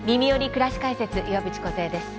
くらし解説」岩渕梢です。